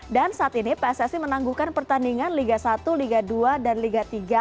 dan saat ini pssi menangguhkan pertandingan liga satu liga dua dan liga tiga